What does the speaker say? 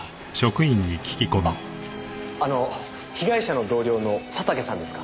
あっあの被害者の同僚の佐竹さんですか？